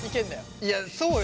いやそうよ。